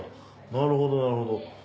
なるほどなるほど。